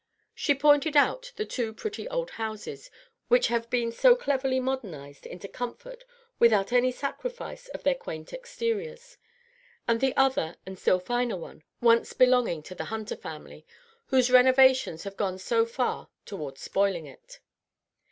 She pointed out the two pretty old houses which have been so cleverly modernized into comfort without any sacrifice of their quaint exteriors; and the other and still finer one, once belonging to the Hunter family, whose renovations have gone so far toward spoiling it.